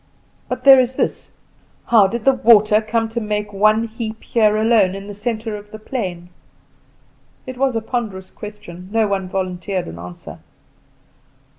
But there is this How did the water come to make one heap here alone, in the centre of the plain?" It was a ponderous question; no one volunteered an answer.